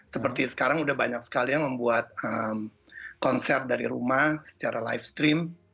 seperti sekarang udah banyak sekali yang membuat konser dari rumah secara live stream